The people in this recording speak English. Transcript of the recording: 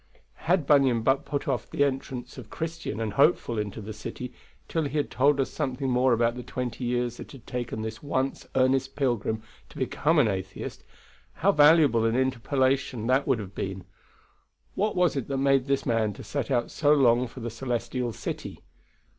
Had Bunyan but put off the entrance of Christian and Hopeful into the city till he had told us something more about the twenty years it had taken this once earnest pilgrim to become an atheist, how valuable an interpolation that would have been! What was it that made this man to set out so long ago for the Celestial City?